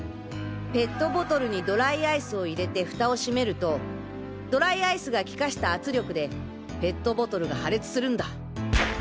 ペットボトルにドライアイスを入れてフタを閉めるとドライアイスが気化した圧力でペットボトルが破裂するんだ。